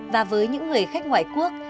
và với những người khách ngoại quốc